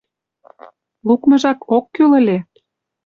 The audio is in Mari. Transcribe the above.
— Лукмыжак ок кӱл ыле.